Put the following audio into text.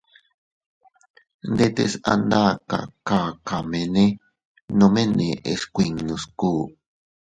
Ndetes a nda kakamene nome neʼes kuinnu sku.